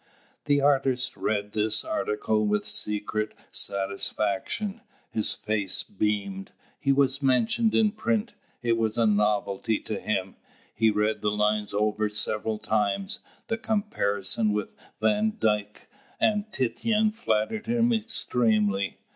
The artist read this article with secret satisfaction; his face beamed. He was mentioned in print; it was a novelty to him: he read the lines over several times. The comparison with Van Dyck and Titian flattered him extremely.